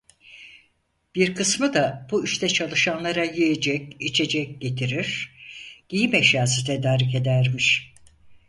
Bir kısmı da bu işte çalışanlara yiyecek, içecek getirir, giyim eşyası tedarik edermiş.